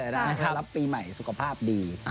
รับปีใหม่สุขภาพดี